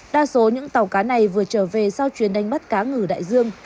đa số những tàu cá này vừa trở về sau chuyến đánh bắt cá ngừ đại dương